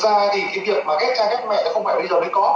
không phải bây giờ mới có